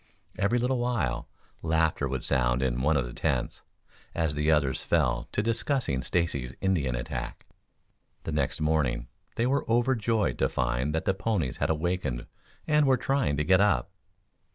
Every little while, laughter would sound in one of the tents, as the others fell to discussing Stacy's Indian attack. The next morning they were overjoyed to find that the ponies had awakened and were trying to get up.